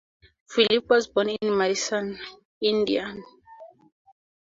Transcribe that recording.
Phillips was born in Madison, Indiana.